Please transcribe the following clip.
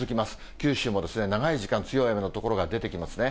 九州も長い時間、強い雨の所が出てきますね。